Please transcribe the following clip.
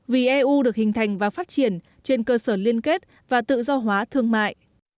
vì eu được hình thành và phát triển trên cơ sở liên kết và tự do hóa thương mại